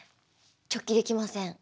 直帰できません。